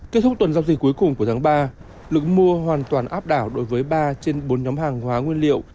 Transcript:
kết thúc tuần giao dịch cuối cùng của tháng ba lực mua hoàn toàn áp đảo đối với ba trên bốn nhóm hàng hóa nguyên liệu